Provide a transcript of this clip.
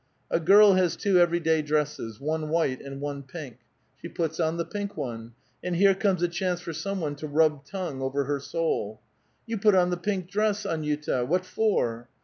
A girl has two ever^' day dresses, one white and one pink. She puts on the pink one ; and here comes a chance for some one to rub tongue over her soul. ' You put on the pink dress, Aninta; what for?'